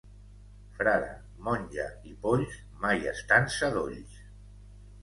Frare, monja i polls, mai estan sadolls.